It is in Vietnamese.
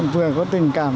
vừa có tình cảm